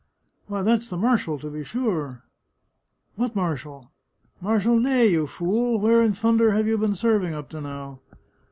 " Why, that's the marshal, to be sure !" "What marshal?" " Marshal Ney, you fool ! Where in thunder have you been serving up to now